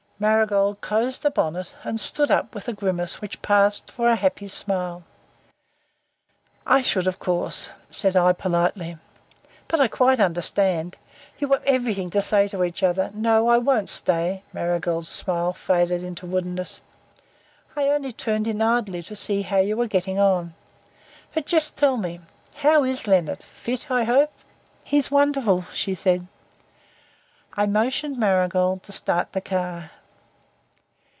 Marigold closed the bonnet and stood up with a grimace which passed for a happy smile. "I should, of course," said I, politely. "But I quite understand. You have everything to say to each other. No. I won't stay" Marigold's smile faded into woodenness "I only turned in idly to see how you were getting on. But just tell me. How is Leonard? Fit, I hope?" "He's wonderful," she said. I motioned Marigold to start the car.